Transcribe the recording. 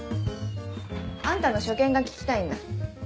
あんたの所見が聞きたいんだ。